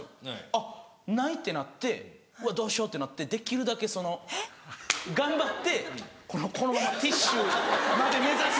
「あっない」ってなって「うわどうしよう？」ってなってできるだけその。えっ？頑張ってこのままティッシュまで目指す。